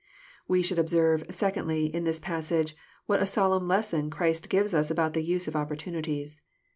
We should observe, secondly, in this passage, what a\\ solemn lesson Christ gives us about the use of opportunities.